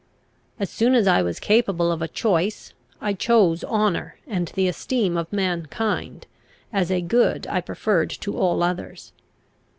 As soon as I was capable of a choice, I chose honour and the esteem of mankind as a good I preferred to all others.